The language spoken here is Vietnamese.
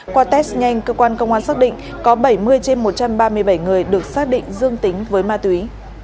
qua test nhanh cơ quan công an xác định có bảy mươi trên một trăm ba mươi bảy người được xác định dương tính với ma túy